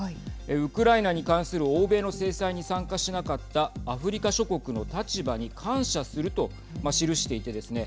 ウクライナに関する欧米の制裁に参加しなかったアフリカ諸国の立場に感謝すると記していてですね